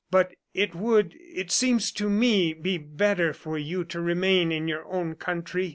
"But it would, it seems to me, be better for you to remain in your own country.